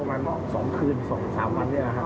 ประมาณ๒คืน๒๓นาทีแล้วครับ